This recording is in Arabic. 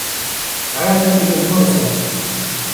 عاد إلى المرصد.